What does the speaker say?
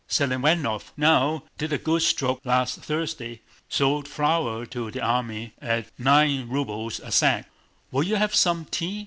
Selivánov, now, did a good stroke last Thursday—sold flour to the army at nine rubles a sack. Will you have some tea?"